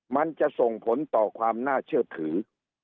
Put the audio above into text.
มันจะส่งผลต่อความน่าเชื่อถือ